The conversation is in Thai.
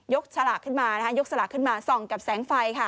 ยกสลักขึ้นมา